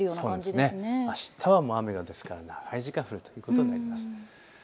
ですから、あしたは雨が長い時間降るということになります。